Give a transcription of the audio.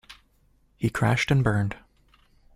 He crashed and burned